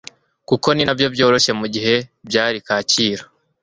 kuko ninabyo byroshye mugihe byari kacyiru..